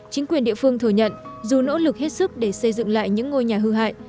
chính quyền địa phương thừa nhận dù nỗ lực hết sức để xây dựng lại những ngôi nhà hư hại